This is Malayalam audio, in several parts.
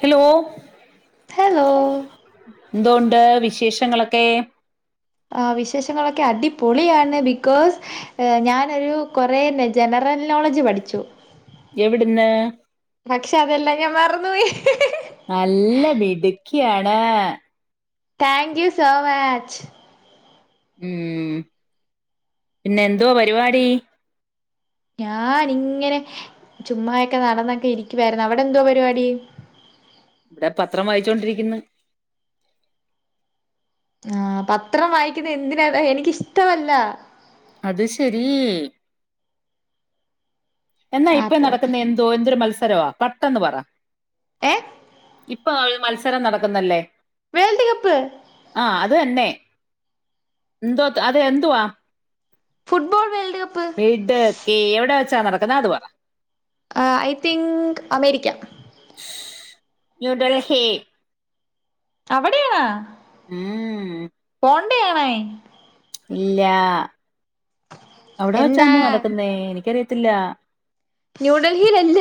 ഹലോ ഹലോ എന്തോ ഉണ്ട് വിശേഷങ്ങളൊക്കെ? ആ വിശേഷങ്ങളൊക്കെ അടിപൊളിയാണ്. ബിക്കോസ് ഞാനൊരു കൊറേ ജനറൽ നോളജ് പഠിച്ചു. എവിടുന്ന് പക്ഷെ അതെല്ലാം ഞാൻ മറ ന്ന് പോയി ഖിയാണ് താങ്ക് യു സോ മാച്ച് ഉം പിന്നെ എന്തുവാ പരിപാടി? ഞാനിങ്ങനെ ചുമ്മാതൊക്കെ നടന്നൊക്കെ ഇരിക്കുവാരുന്നു. അവിടെ എന്തുവാ പരിപാടി? ഇവിടെ പത്രം വായിച്ചോണ്ടിരിക്കുന്ന്. ആഹ് പത്രം വായിക്കുന്ന എന്തിന അത് എനിക്കിഷ്ടവല്ല. അത് ശരി എന്നാ ആ ഇപ്പ പോട്ടെ നടക്കുന്ന എന്തോ എന്തൊരു മത്സ- വരുവോ പെട്ടെന്ന് പറ ഏ ഇ ഇപ്പ മത്സരം നടക്കുന്നല്ലേ വേൾഡ് കപ്പ് ആഹ് അത് തന്നെ. എന്തോ അത് എന്തുവാ ഫുട്ബോൾ വേൾഡ് കപ്പ് വീട് എത്തി എവിടാ [unintelligible] എന്നാ അതു പറ I think America New Delhi അവിടെയ ഉം കൊണ്ടയാണ ഇല്ല അവിടെ എന്താ വെച്ചാന്ന നടനക്കുന്നേ എനിക്കറിയ ത്തില്ല ന്യൂ ഡൽഹിയിയല്ല.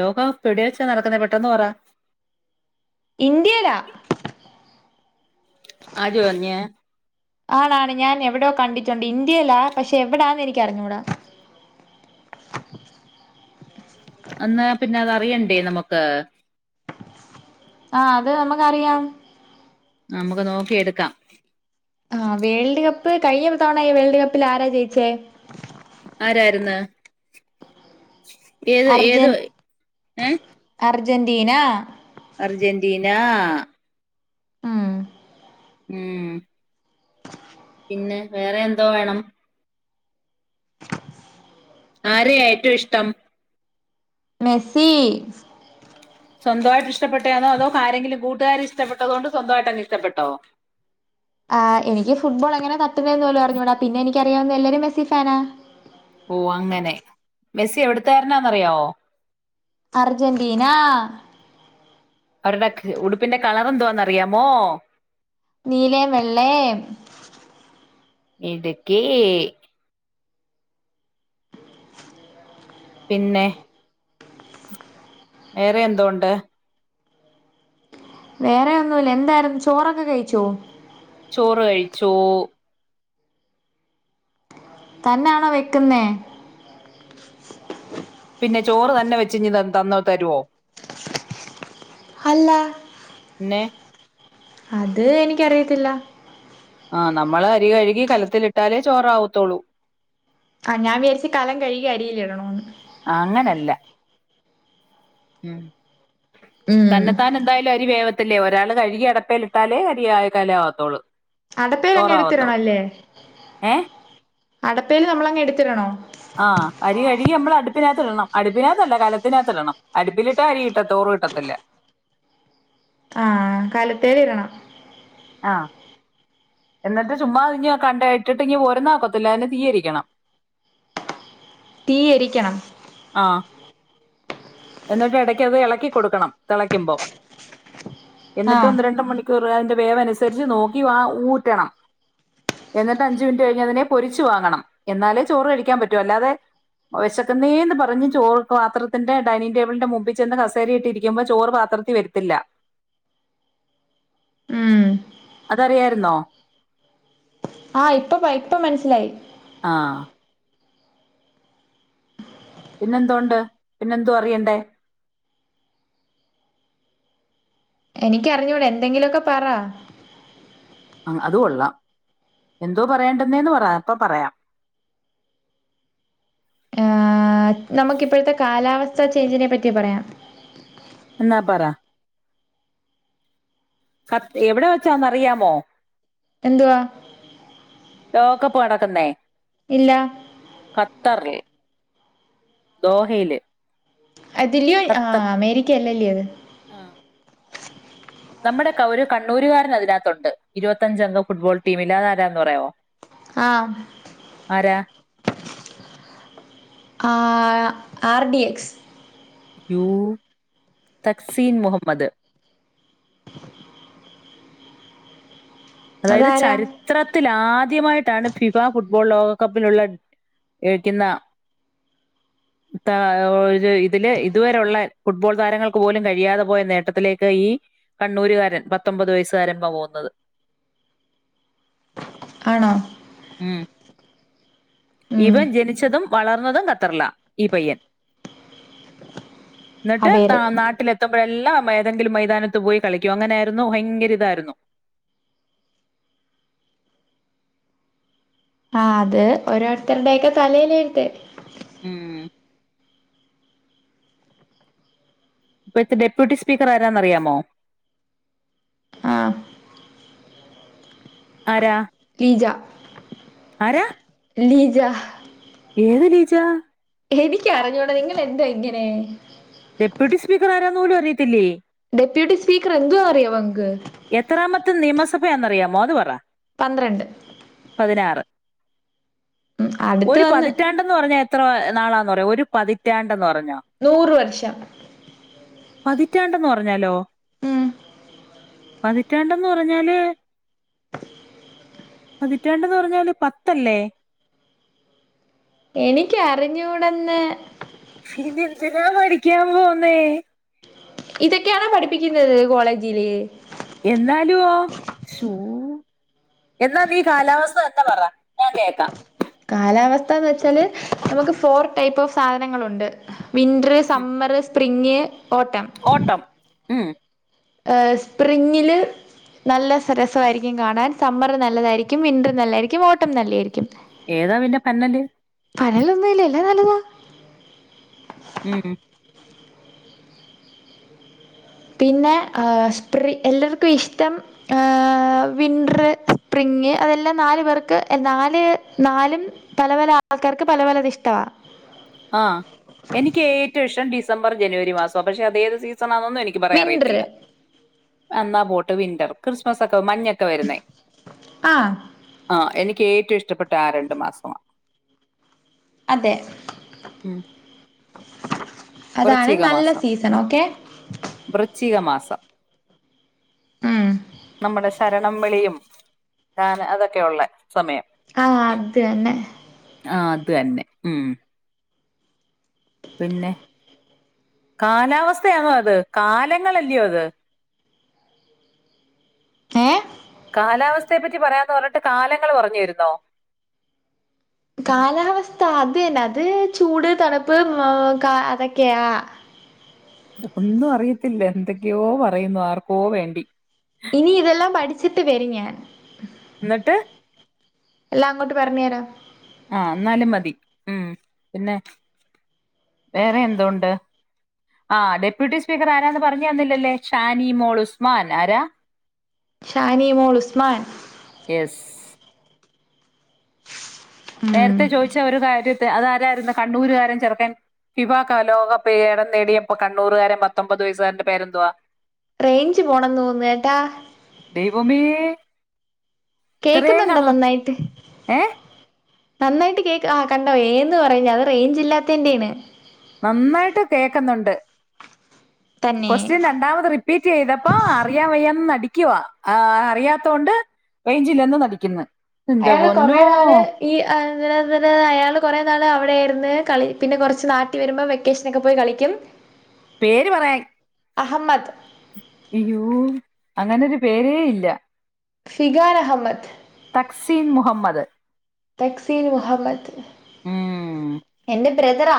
ലോക പെടവച്ചാ നടക്കുന്നെ പെട്ടെന്ന് പറ. ഇന്ത്യയില് ആര് പറഞ്ഞ് ആളാണ് ഞാൻ എവിടെയോ കണ്ടിട്ടുണ്ട്. ഇന്ത്യയിലാ പക്ഷെ എവിടാന്ന് എനിക്ക് അറിഞ്ഞുകൂടാ. അന്ന പിന്നെ അതു അറിയണ്ടേ നമുക്ക്. ആഹ് അത് നമുക്കറിയാം. നമുക്ക് നോക്കി എടുക്കാം. ആഹ് വേൾഡ് കപ്പ് കഴിഞ്ഞ തവണ വേൾഡ് കപ്പിൽ ആരാ ജയിച്ചേ. ആരായിരുന്നു ഏതോ ഏതോ ഏ. അർജൻറീന അർജന്റീന ആ ഉം ഉം പിന്നെ വേറെ എന്തോ വേണം. ആരെയാ ഏറ്റവും ഇഷ്ടം. മെസി സ്വന്തമായിട്ട് ഇഷ്ടപ്പെട്ടതാണോ അതോ ആരെങ്കിലും കൂട്ടുകാർ ഇഷ്ടപ്പെട്ടതുക്കൊണ്ട് സ്വന്തമായിട്ട് അങ്ങ് ഇഷ്ടപ്പെട്ടോ. ആഹ് എനിക്ക് ഫുട്ബോൾ എങ്ങനെ തട്ടുന്നത് എന്ന് പോലും അറിഞ്ഞൂട പിന്നെ എനിക്ക്. എനിക്ക് അറിയാവുന്ന എല്ലാരും മെസി ഫാനാ. ഓ അങ്ങനെ മെസ്സി എവിടുത്തെ കാരനാ അറിയാമോ. അർജന്റീന അവരുടെ ഉടുപ്പിന്റെ കളർ എന്തോന്ന് അറിയാമോ. നിലയും വെള്ളയും മിടുക്കി. പിന്നെ വേറെ എന്തൊണ്ട് വേറെ ഒന്നുമല്ല എന്തായിരുന്നു ചോറൊക്കെ കഴിച്ചോ. ചോറ് കഴിച്ചു. തന്നെയാണോ വെക്കുന്നേ. പിന്നെ ചോറ് തന്നെ വെച്ചഞ്ഞ് തന്ന തരുവോ. അല്ല ന്നെ അത് എനിക്കറിയത്തില്ല. ആഹ് നമ്മള് അരി കഴുകി കലത്തിൽ ഇട്ടാലെ ചോറ് ആവാത്തൊള്ളോ. ആഹ് ഞാൻ വിചാരിച്ചു കലം കഴുകി അരിയില് ഇടണോന്ന്. അങ്ങനല്ല ഉം ഉം തന്നെത്താൻ എന്തായാലും അരി വേവ ത്തിലെ ഒരാൾ കഴുകി അടപ്പേൽ ഇട്ടാലേ അരി ആകത്തേള്ളൂ. അടപ്പേരങ്ങ എടുത്തിടണം അല്ലേ ഏഹ് അടപ്പൽ നമ്മളങ്ങ് എടുത്തിടണോ ആഹ് അരി കഴുകി നമ്മൾ അടുപ്പിനകത്ത് ഇടണം അടുപ്പിനകത്തല്ല കലത്തിനകത്ത് ഇടണം അടുപ്പിലിട്ടാ അരി ചോറ് കിട്ടത്തില്ല ആ കലത്തേലിടണം ആ എന്നിട്ട് ചുമ്മാ അതി ഇ കണ്ട ഇട്ടിട്ട് ഇ പോരന്നഒക്കത്തില്ല അതിന് തീയിരിക്കണം തീയരിക്കണം ആ എന്നിട്ട് ഇടക്ക് അത് ഇളക്കികൊടുക്കണം തിളയ്ക്കുമ്പോ എന്നിട്ട് ആഹ് ഒന്ന് രണ്ട മണിക്കൂർ അതിന്റെ വേവനുസരിച്ച് നോക്കി വാ ഊറ്റണം എന്നിട്ട് അഞ്ച് മിനിറ്റ് കഴിഞ്ഞതിനെ പൊരിച്ച് വാങ്ങണം എന്നാലേ ചോറ്കഴിക്കാൻ പറ്റു അല്ലാതെ വിശക്കുന്നെ ന്ന് പറഞ് പറഞ് ചോറ് പാത്രത്തിന്റെ ഡൈനിങ്‌ടേബിളിന്റെ മുൻപ് ചെന്ന് കസേരയിട്ട് ഇരിക്കുമ്പോ ചോറ് പാത്രത്തിൽ വെരത്തില്ല ഉം അതറിയായിരുന്നോ ആ ഇപ്പ ഇപ്പ മനസ്സിലായി ആ പിന്നെന്തൊണ്ട് പിന്നെന്തോ അറിയണ്ടേ എനിക്കറിഞ്ഞൂട എന്തെങ്കിലുമൊക്കെ പറ ആ അത് കൊള്ളാം എന്തോ പറയണ്ടന്നേന്ന് പറ അപ്പ പറയാം യേ നമുക്ക് ഇപ്പോഴത്തെ കാലാവസ്ഥ അവിടത്തെ ചേച്ചീനെ പറ്റി പറയാം ന്ന പറ കത്തി എവിടെ വെച്ചാന്ന് അറിയാമോ എന്തുവാ ലോകപ്പ് നടക്കുന്നേ ഇല്ല ഖത്തറില് ദോഹയില് അതില്യോ ഖത്തർ ആഹ് അമേരിക്കയല്ലല്ലേ അത് [unintelligible] നമ്മുടെ [unintelligible] ഒരു കണ്ണൂരുകാരന് അതിനകത്തുണ്ട് ഇരുപത്തഞ്ചംഗം ഫുട്ബോൾ ടീമില് അതാരാന്ന് പറയാമോ ആ ആ ആർ ഡി എക്സ് യൂ തക്സീൻ മുഹമ്മദ് അതായത് അതാരാ ചരിത്രത്തിൽ ആദ്യ ആദ്യമായിട്ടാണ് ഫിഫ ഫുട്ബോൾ ലോകകപ്പിലുള്ള എഴിക്കുന്ന ത ഒരു ഇതില് ഇതുവരെുള്ള ഫുട്ബോൾ താരങ്ങൾക്ക് പോലും കഴിയാതെ പോയ നേട്ടത്തിലേക്ക് ഈ കണ്ണൂരുകാരന് പത്തൊമ്പത് വയസ്സുകാരൻ പോകുന്നത് ആണോ ഉം ഉം ഇവൻ ജനിച്ചതും വളർന്നതും ഖത്തറില ഈ പയ്യൻ എന്നിട്ട് അവേർ നാട്ടിലെത്തുമ്പോഴെല്ലാം മെ- ഏതെങ്കിലും മൈതാനത്ത് പോയി കളിക്കും അങ്ങനെയായിരുന്നു ഭയങ്കര ഇതായിരുന്നു ആ അത് ഓരോരുത്തരുടെയൊക്കെ തലേലെഴുത്ത് മ് ഇപ്പത്തെ ഡെപ്യൂട്ടി സ്പീക്കർ ആരാന്നറിയാമോ ആ ആരാ ലീജ ആരാ ലീ- ലീജ ഏത് ലീജ എനക്ക് അറിഞ്ഞോടാ നിങ്ങൾ ന്താ ഇങ്ങനെ ഡെപ്യൂട്ടി സ്പീക്കർ ആരാന്ന പോലും അറിയത്തില്ലേ ഡെപ്യൂട്ടി സ്പീക്കർ എന്ത അറിയ അവങ്ക് എത്രാമത്തെ നിമസ പയാന്ന് ന്ന അറിയാമോ ത് പറ പന്ത്രണ്ട് പതിനാറ് ഉം അടുത്ത് ഒരു വന്ന് പതിറ്റാണ്ടന്ന് പറഞ്ഞാ എത്ര നാളാന്ന് പറയാ ഒരു പതിറ്റാണ്ട് നൂറ് വർഷം പതിറ്റാണ്ടെന്ന്ന്ന് പറഞ്ഞാലോ ഉം പതിറ്റാണ്ടന്ന് പറഞ്ഞാല് പതിറ്റാണ്ടന്ന് പറഞ്ഞാല് പത്തല്ലേ എനിക്കറിഞ്ഞൂടന്ന് പിന്ന എന്തിനാ പഠിക്കാൻ പോന്നേ ഇതൊക്കെയണോ പഠിപ്പിക്കുന്നത് കോളേജില് എന്നാലുവോ ഷൂ എന്നാ നീ കാലാവസ്ഥ ന്ന പറ ഞാൻ കേക്കാം കാലാവസ്ഥ എന്ന് വെച്ചാല് നമുക്ക് ഫോർ ടൈപ്പ് ഓഫ് സാധനങ്ങളുണ്ട് വിൻററ് ഉം. സമ്മർ പ്രിങ്ങേ ഓട്ടം ഓട്ടം ഉം ഹ സ്പ്രിംഗില് നല്ല രസയിരിക്കും കാണാൻ സമ്മർ നല്ലതായിരിക്കും വിന്റർ നല്ലതായിരിക്കും ഓട്ടം നല്ലതായിരിക്കും ഏതാ പിന്റെ പന്നല് പനേലൊന്നുല്ല എല്ലാം നല്ലതാ ഉം പിന്നെ ഏ സ്പ്രി എല്ലാർക്കും ഇഷ്ടം ഏ വിന്റർ സ്പ്രിങ്ങ് അതെല്ലാം നാല് പേർക്ക് നാല് നാലും പല പല ആൾക്കാർക്ക് പലപല അത് ഇഷ്ടവാ ആ എനിക്ക് ഏറ്റവും ഇഷ്ടം ഡിസംബർ ജനുവരി മാസവും പക്ഷേ അതേത് സീ സനൊന്നും എനിക്ക് പറയാൻ വിന്റർ അറിയത്തില്ല അന്നാ പോട്ട് വിന്റർ ക്രിസ്മസ് ഒക്കെ മഞ്ഞൊക്കെ വരുന്നെ ആ അ എനി ക്കേറ്റവും ഇഷ്ടപ്പെട്ട ആ രണ്ടു മാസമാ അതെ ഉം അതാണ് വൃശ്ചിക നല്ല മാസം സീസൺ ഓക്കെ സ ഉം നമ്മുടെ ശരണം വിളിയും ഞാൻ അതൊക്കെയുള്ള സമയം ആ അതുതന്നെ ആ അത് തന്നെ ഉംമ് പിന്നെ കാലാവസ്ഥയാണോ അത് കാലങ്ങളല്ലയോ അത് ഏ കാലാവസ്ഥയെ പറ്റി പറയാന്ന് പറഞ്ഞിട്ട് കാലങ്ങൾ പറഞ്ഞു താരുന്നോ കാലാവസ്ഥ അത് തന്നെ അത് ചൂട് തണുപ്പ് മ് കാ അതൊക്കെയാ ഒന്നും അറിയത്തില്ല എന്തൊക്കെയോ പറയുന്നു ആർക്കോ വേണ്ടി ഇനി ഇതെല്ലാം പഠിച്ചിട്ട് വരും ഞാൻ എന്നിട്ട് എല്ലാ അങ്ങോട്ട് പറഞ്ഞു തരാം ആ എന്നാലും മതി ഉം പിന്നെ വേറെ എന്തുകണ്ട് ആ ഡെപ്യൂട്ടി സ്പീക്കർ ആരാന്ന് പറഞ്ഞു തന്നില്ലല്ലേ ഷാനി മോൾ ഉസ്മാൻ ആരാ ഷാനിമോൾ ഉസ്മാൻ എസ് ഉം നേരത്തെ ചോദിച്ച ഒരു കാര്യം അതാരായിരുന്നു കണ്ണൂരുക്കാരൻ ചെറുക്കൻ ഫിഫ കാലൊഭം നേടിയപ്പോ കണ്ണൂർുകാരൻ പത്തൊമ്പത് വയസ്സുകാരന്റെ പേരെന്തുവാ റേഞ്ച് പോണം തോന്നേട്ടാ ദൈവമേ ഇത്രയും കേക്കുന്നുണ്ടോ കള്ള നന്നായിട്ട് ഏ നന്നായിട്ട് കേക്ക ആ കണ്ടോ ഏന്ന് പറഞ്ഞ അത് റേഞ്ച് ഇല്ലാത്തെ യിന്റെയാണ് നന്നായിട്ട് കേക്കുന്നുണ്ട് തന്നെ ക്യുഎസ്ടിയൻ രണ്ടാമത് റിപ്പീറ്റ് ചെയ്തപ്പോ അറിയാൻ വയ്യാന്നു നടിക്കാൻ ആ അറിയാത്ത കൊണ്ട് റെഞ്ചില്ലന്ന് നടിക്കുന്നു എന്റെ അയാള് പൊന്നോ കൊറേ നാള് ഈ ഹ അയാൾ കുറെ നാള് അവിടെയായിരിന്നു കളി പിന്നെ കുറച്ച് നാട്ടിയിൽ വരുമ്പോ വെക്കേഷനൊക്കെ പോയി കളിക്കും പേര് പറയാൻ അഹമദ് അയ്യോ അങ്ങനെ ഒരു പേരേ ഇല്ല ഫിഗാർ അഹമ്മദ് തക്സീൻ മുഹമ്മദ് ടക്സിീൽ മുഹബത്ത് എന്റെ ബ്രദറാ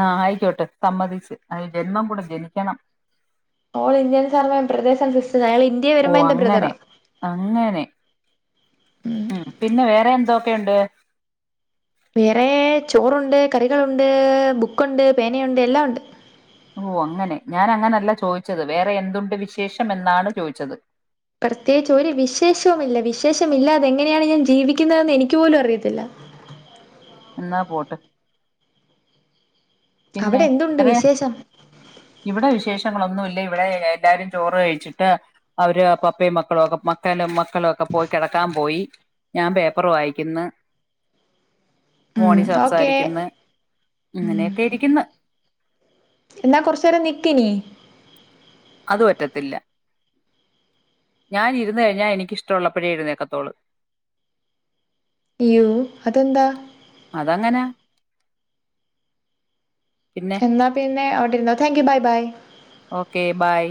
ആഹ ആയിക്കോട്ടെ സമ്മതിച്ച് അ ജന്മം കൂടെ ജനിക്കണം all Indians are my brothers and sisters അയാൾ ഇന്ത്യയിൽ ഓ വരുമ്പോ എന്റെ ബ്രദറ അങ്ങനെ അങ്ങനെ ഒക്കണ്ട് വേറെ ചോറുണ്ട് കറികളുണ്ട് ബുക്കുണ്ട് പേനയുണ്ട് എല്ലാം ഉണ്ട് ഓ അങ്ങനെ ഞാൻ അങ്ങനല്ല ചോദിച്ചത് വേറെ എന്തുണ്ട് വിശേഷം എന്നാണ് ചോദിച്ചത് പ്രത്യേകിച്ച് ഒരു വിശേഷവുമില്ല വിശേഷമില്ലാതെങ്ങനെയാണ് ഞാൻ ജീവിക്കുന്നതെന്ന് എനിക്ക് പോലും അറിയത്തില്ല എന്നാ പോട്ടെ അവിടെ എന്തുണ്ട് വിശേഷം ഇവിടെ വിശേഷങ്ങളൊന്നുമില്ല ഇവിടെ എല്ലാരും ചോറ് കഴിച്ചിട്ട് അവര് പപ്പയും മക്കളും ഒക്കെ മക്കലും മക്കളും ഒക്കെ കിടക്കാൻ പോയി ഞാൻ പേപ്പർ വായിക്കുന്നു ഉം ഫോണിൽ ഓക്കെ സംസാരിക്കുന്ന ഉം അങ്ങനെയൊക്കെ ഇരിക്കുന്നു എന്നാ കൊറച്ചു നേരം നിക്കിനീ അത് പറ്റത്തില്ല ഞാനിരുന്ന് കഴിഞ്ഞാ എനിക്കിഷ്ടമുള്ളപ്പോഴേ എഴുന്നേക്കത്തോള് യ്യോ അതെന്താ അതങ്ങനാ പിന്നെ എന്നാ പിന്നെ അവിടിരുന്നോ thank you bye bye okay bye